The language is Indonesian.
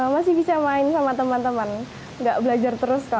masih bisa main sama teman teman nggak belajar terus